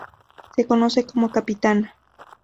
Se conoce como "capitana".